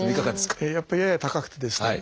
やっぱりやや高くてですね